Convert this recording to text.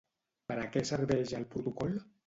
Per a què serveix el protocol?